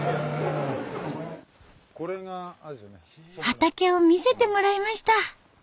畑を見せてもらいました。